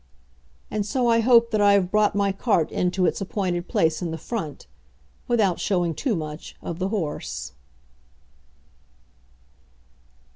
And so I hope that I have brought my cart in to its appointed place in the front, without showing too much of the horse.